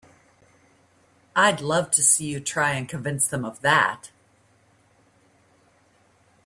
I'd love to see you try and convince them of that!